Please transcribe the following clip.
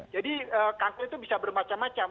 jadi kanker itu bisa bermacam macam